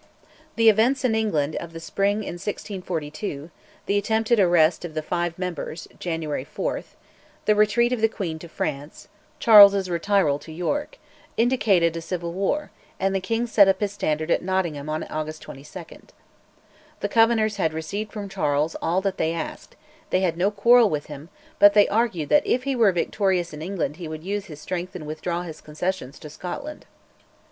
The events in England of the spring in 1642, the attempted arrest of the five members (January 4), the retreat of the queen to France, Charles's retiral to York, indicated civil war, and the king set up his standard at Nottingham on August 22. The Covenanters had received from Charles all that they asked; they had no quarrel with him, but they argued that if he were victorious in England he would use his strength and withdraw his concessions to Scotland.